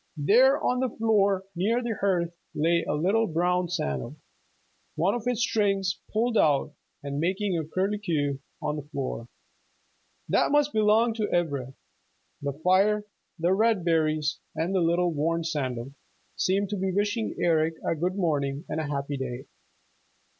There on the floor near the hearth lay a little brown sandal, one of its strings pulled out and making a curlycue on the floor. That must belong to Ivra. The fire, the red berries, and the little, worn sandal, seemed to be wishing Eric a good morning and a happy day.